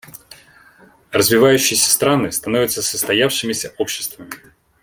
Развивающиеся страны становятся состоявшимися обществами.